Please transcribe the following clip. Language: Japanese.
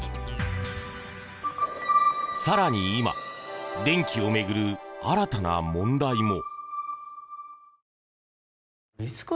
更に今電気を巡る新たな問題も。